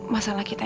masalah kita ini